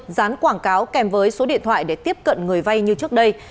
dán quảng cáo kèm với số điện thoại để tiếp cận người vay như trước đây